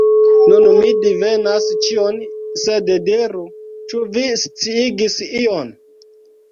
Nun mi divenas ĉion, sed diru, ĉu vi sciigis ion!